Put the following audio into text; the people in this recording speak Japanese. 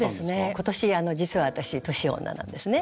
今年実は私年女なんですね。